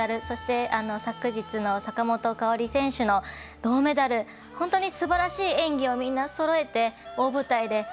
そして、昨日の坂本花織選手の銅メダル本当にすばらしい演技をみんな、そろえて大舞台で。